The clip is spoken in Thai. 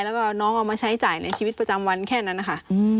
แล้วก็น้องเอามาใช้จ่ายในชีวิตประจำวันแค่นั้นนะคะ